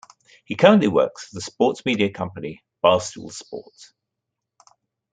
He currently works for the sports media company Barstool Sports.